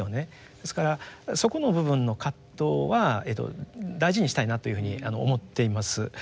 ですからそこの部分の葛藤は大事にしたいなというふうに思っています。